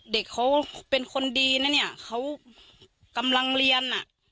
เด็กเขาเป็นคนดีนะเนี่ยเขากำลังเรียนอ่ะ